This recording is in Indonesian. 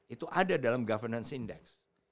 itu ada dalam governance index